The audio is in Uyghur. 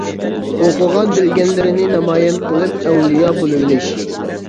ئوقۇغان بىلگەنلىرىنى نامايان قىلىپ ئەۋلىيا بولۇۋېلىش.